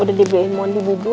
udah dibeliin mau dibudur